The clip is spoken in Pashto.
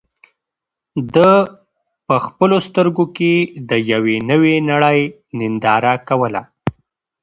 ده په خپلو سترګو کې د یوې نوې نړۍ ننداره کوله.